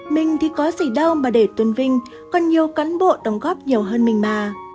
mình thì có gì đâu mà để tôn vinh còn nhiều cán bộ đóng góp nhiều hơn mình mà